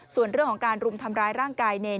ส่วนเรื่องของการรุมทำร้ายร่างกายเนร